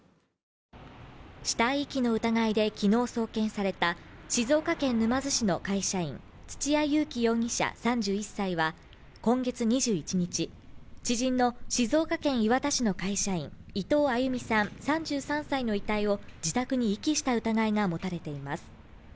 死体遺棄の疑いできのう送検された静岡県沼津市の会社員土屋勇貴容疑者３１歳は、今月２１日、知人の静岡県磐田市の会社員伊藤亜佑美さん３３歳の遺体を自宅に遺棄した疑いが持たれています。